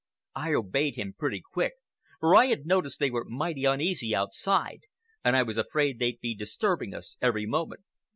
I obeyed him pretty quick, for I had noticed they were mighty uneasy outside, and I was afraid they'd be disturbing us every moment.